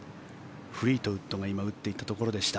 フリートウッドが今、打っていったところでした。